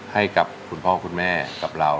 ให้กับคุณพ่อคุณแม่กับเรา